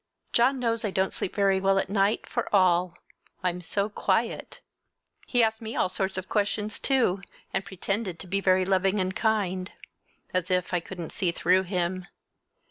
John knows I don't sleep very well at night, for all I'm so quiet! He asked me all sorts of questions, too, and pretended to be very loving and kind. As if I couldn't see through him!